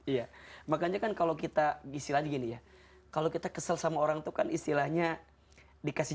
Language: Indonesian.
iya makanya kan kalau kita gisi lagi gini ya kalau kita kesel sama orang itu kan istilahnya dikasih